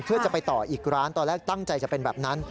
เพื่อจะไปต่ออีกร้านตอนแรกตั้งใจจะเป็นแบบนั้น